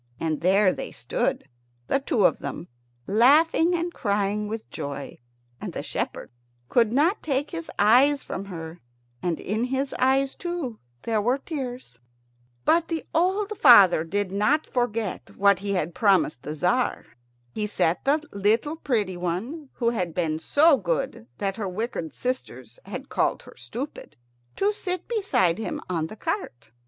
And there they stood, the two of them, laughing and crying with joy. And the shepherd could not take his eyes from her, and in his eyes, too, there were tears. But the old father did not forget what he had promised the Tzar. He set the little pretty one, who had been so good that her wicked sisters had called her Stupid, to sit beside him on the cart.